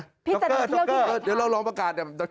พี่จะเถอะเที่ยวที่ไหนคะโจ๊กเกอร์เดี๋ยวเราล้องประกาศเดี๋ยว